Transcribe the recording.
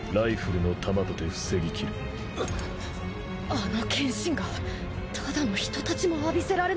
あの剣心がただの一太刀も浴びせられないなんて